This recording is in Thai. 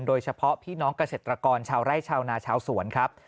โดยเฉพาะพี่น้องเกษตรกรชาวไร่ชาวนาชาวสวนครับ